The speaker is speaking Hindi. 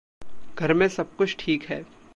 घर में सब-कुछ ठीक है।